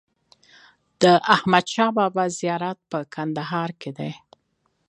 د احمدشاه بابا زيارت په کندهار ښار کي دئ.